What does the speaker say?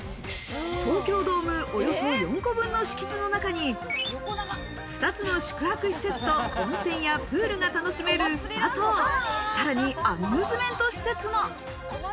東京ドームおよそ４個分の敷地の中に二つの宿泊施設と温泉やプールが楽しめるスパ棟、さらにアミューズメント施設も。